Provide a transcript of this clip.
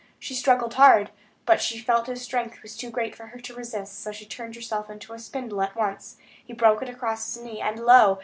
She struggled hard; but she felt his strength was too great for her to resist; so she turned herself into a spindle at once. He broke it across his knee.... And lo!